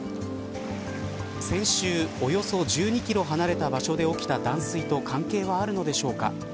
先週、およそ１２キロ離れた場所で起きた断水と関係はあるのでしょうか。